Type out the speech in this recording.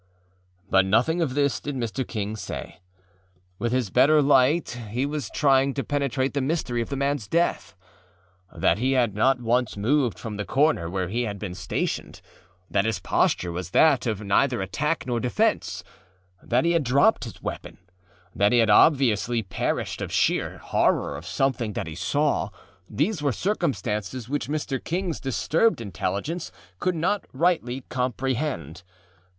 â But nothing of this did Mr. King say. With his better light he was trying to penetrate the mystery of the manâs death. That he had not once moved from the corner where he had been stationed; that his posture was that of neither attack nor defense; that he had dropped his weapon; that he had obviously perished of sheer horror of something that he sawâthese were circumstances which Mr. Kingâs disturbed intelligence could not rightly comprehend.